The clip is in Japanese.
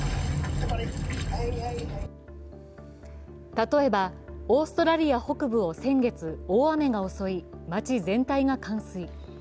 例えばオーストラリア北部を先月大雨が襲い、町全体が冠水。